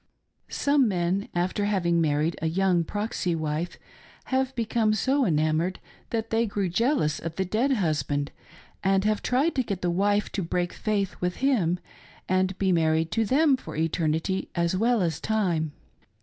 Some men, after having married a young proxy wife, have be come so enamored that they grew jealous of the dead husband, and have tried to get the wife to break faith with him, and be married to them for eternity as well as time.